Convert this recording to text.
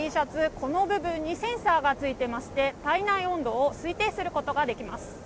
この部分にセンサーがついていまして体内温度を推定することができます。